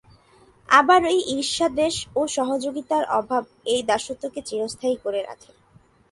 আবার এই ঈর্ষাদ্বেষ ও সহযোগিতার অভাবই এই দাসত্বকে চিরস্থায়ী করে রাখে।